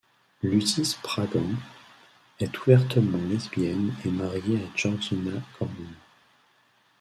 Lucy Spraggan est ouvertement lesbienne et mariée à Georgina Gordon.